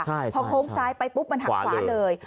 พอโค้งซ้ายไปปุ๊บมันหักขวาเลย